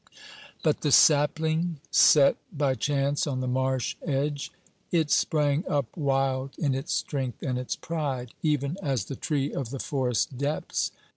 But the sapling set by chance on the marsh edge ! It sprang up wild in its strength and its pride, even as the tree of the forest depths.